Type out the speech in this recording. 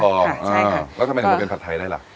แล้วทำไมถึงมาเป็นผัดไทยได้ล่ะ